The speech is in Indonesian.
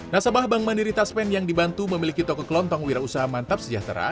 nasabah bank mandiri taspen yang dibantu memiliki toko kelontong wira usaha mantap sejahtera